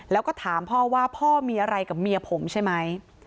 แล้วก็ถามพ่อว่าพ่อมีอะไรกับเมียผมใช่ไหม